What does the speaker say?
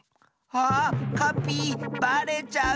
あっカピイばれちゃう！